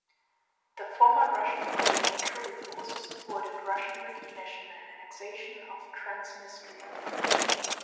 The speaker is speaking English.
The former Russian party For Truth also supported Russian recognition and annexation of Transnistria.